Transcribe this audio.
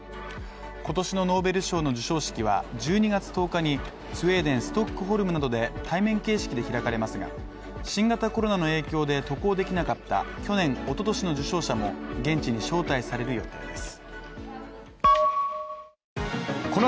今年のノーベル賞の授賞式は、１２月１０日にスウェーデン・ストックホルムなどで対面形式で開かれますが、新型コロナの影響が渡航できなかった去年、おととしの受賞者も現地に招待される予定です。